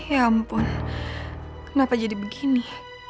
ya ampun kenapa jadi begini